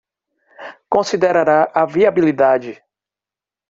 Considerará a viabilidade